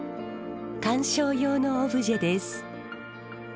観賞用のオブジェです。